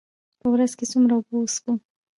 په ورځ کې څومره اوبه وڅښو؟